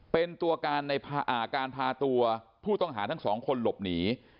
เป็นตัวการในการพาตัวผู้ต้องหาทั้งสองคนหลบหนี